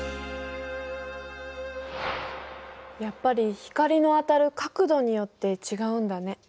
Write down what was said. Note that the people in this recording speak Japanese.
やっぱり光の当たる角度によって違うんだね。